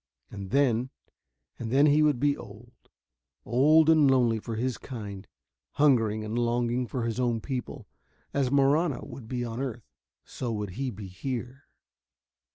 And then ... and then he would be old. Old and lonely for his kind, hungering and longing for his own people. As Marahna would be on earth, so would he be here....